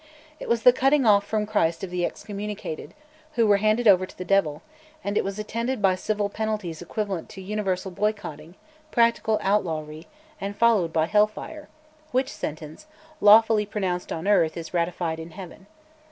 It was the cutting off from Christ of the excommunicated, who were handed over to the devil, and it was attended by civil penalties equivalent to universal boycotting, practical outlawry, and followed by hell fire: "which sentence, lawfully pronounced on earth, is ratified in heaven."